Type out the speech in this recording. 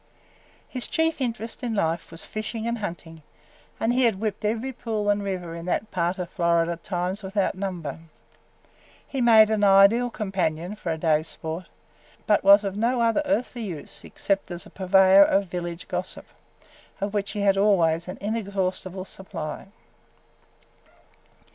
His chief interest in life was fishing and hunting, and he had whipped every pool and river in that part of Florida times without number. He made an ideal companion for a day's sport, but was of no other earthly use except as a purveyor of village gossip, of which he had always an inexhaustible supply.